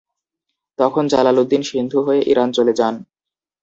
তখন জালালউদ্দিন সিন্ধু হয়ে ইরান চলে যান।